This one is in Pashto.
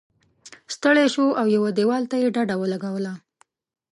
ستړی شو او یوه دیوال ته یې ډډه ولګوله.